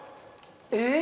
えっ！？